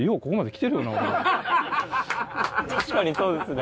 確かにそうですね。